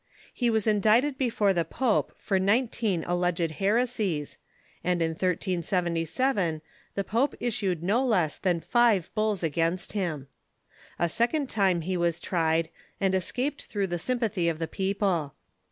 He was indicted before the pope for nineteen al leged heresies, and in 1377 the pope issued no less than five bulls against him. A second time he was tried, and escaped through the sympathy of the people.